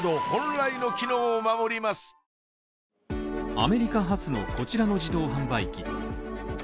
アメリカ発のこちらの自動販売機。